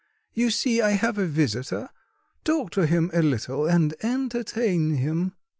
You see I have a visitor; talk to him a little, and entertain him."